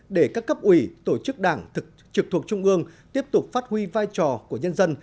để các cấp ủy tổ chức đảng trực thuộc trung ương tiếp tục phát huy vai trò của nhân dân